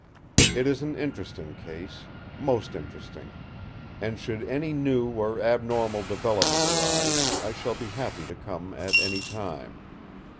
It is an interesting case—most interesting; and should any new or abnormal development arise I shall be happy to come at any time.